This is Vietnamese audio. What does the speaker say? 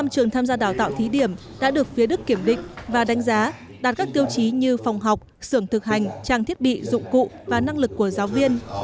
một mươi trường tham gia đào tạo thí điểm đã được phía đức kiểm định và đánh giá đạt các tiêu chí như phòng học xưởng thực hành trang thiết bị dụng cụ và năng lực của giáo viên